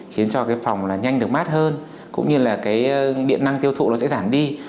khiến cho phòng nhanh được mát hơn cũng như là điện năng tiêu thụ sẽ giảm đi